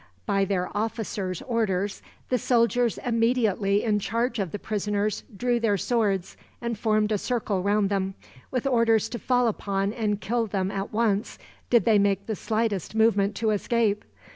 By their officer's orders, the soldiers immediately in charge of the prisoners drew their swords and formed a circle round them; with orders to fall upon and kill them, at once, did they make the slightest movement to escape.